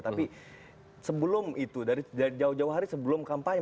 tapi sebelum itu dari jauh jauh hari sebelum kampanye